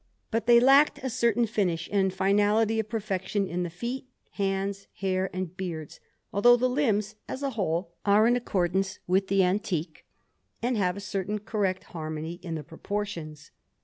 But they lacked a certain finish and finality of perfection in the feet, hands, hair, and beards, although the limbs as a whole are in accordance with the antique and have a certain correct harmony in the proportions.